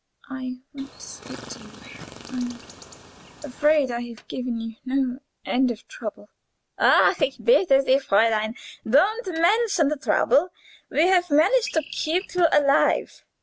I want to speak to you. I am afraid I have given you no end of trouble." "Ach, ich bitte sie, Fräulein! Don't mention the trouble. We have managed to keep you alive."